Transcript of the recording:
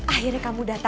aku udah baik baik aja